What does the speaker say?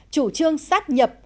chủ trương sát nhập